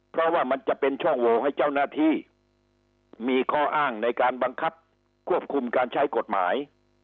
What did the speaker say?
เพราะว่ามันจะเป็นช่องโหวให้เจ้าหน้าที่มีข้ออ้างในการบังคับควบคุมการใช้กฎหมาย